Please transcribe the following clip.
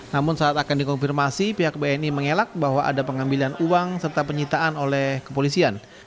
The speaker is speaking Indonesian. namun saat akan dikonfirmasi pihak bni mengelak bahwa ada pengambilan uang serta penyitaan oleh kepolisian